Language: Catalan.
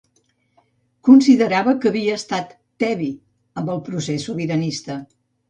Considerava que havia estat ‘tebi’ amb el procés sobiranista.